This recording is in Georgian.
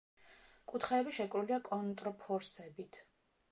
კუთხეები შეკრულია კონტრფორსებით.